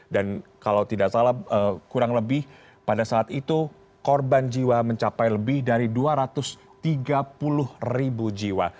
dan kalau tidak salah kurang lebih pada saat itu korban jiwa mencapai lebih dari dua ratus tiga puluh ribu jiwa